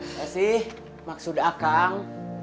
kasih maksud akang